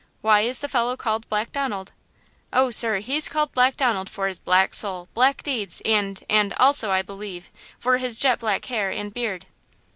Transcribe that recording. Why is the fellow called Black Donald?" "Oh, sir, he's called Black Donald for his black soul, black deeds and–and–also, I believe, for his jet black hair and beard."